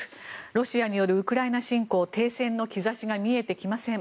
ロシアによるウクライナ侵攻停戦の兆しが見えてきません。